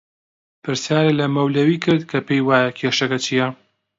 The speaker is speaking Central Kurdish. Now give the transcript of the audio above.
پرسیارت لە مەولەوی کرد کە پێی وایە کێشەکە چییە؟